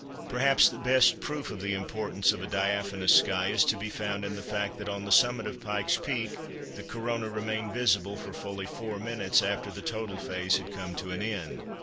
Perhaps the best proof of the importance of a diaphanous sky is to be found in the fact that on the summit of Pike's Peak, the Corona remained visible for fully 4 minutes after the total phase had come to an end.